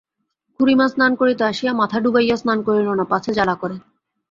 খুড়িমা স্নান করিতে আসিয়া মাথা ড়ুবাইয়া স্নান করিল না, পাছে জ্বালা করে।